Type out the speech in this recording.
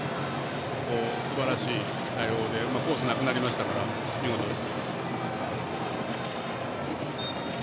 すばらしい対応でコースなくなりましたから見事です。